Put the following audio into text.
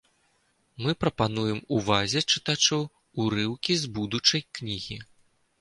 Мы прапануем увазе чытачоў урыўкі з будучай кнігі.